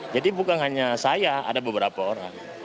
jadi bukan hanya saya ada beberapa orang